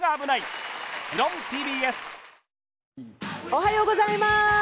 おはようございます。